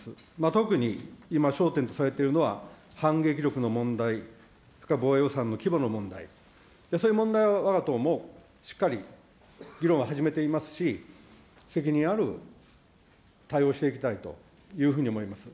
特に今焦点とされているのは反撃力の問題か、防衛予算の規模の問題、そういう問題を、わが党もしっかり議論を始めていますし、責任ある対応していきたいというふうに思います。